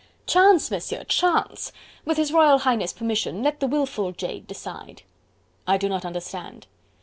"Chance, Monsieur, Chance.... With His Royal Highness' permission let the wilful jade decide." "I do not understand."